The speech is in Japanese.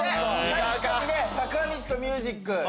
確かに坂道とミュージック。